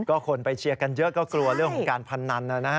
ก็คนไปเชียร์กันเยอะก็กลัวเรื่องของการพนันนะฮะ